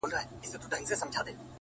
زه د یویشتم قرن ښکلا ته مخامخ یم!!